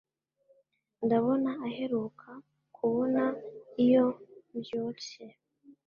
ndabona aheruka kubona iyo mbyutse